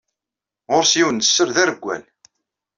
Ɣur-s yiwen n sser d areggal.